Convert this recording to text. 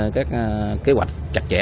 các kế hoạch chặt chẽ